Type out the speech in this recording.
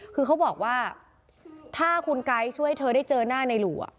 คือเขาบอกว่าถ้าคุณไก๊ช่วยเธอได้เจอหน้าในหลู่